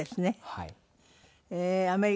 はい。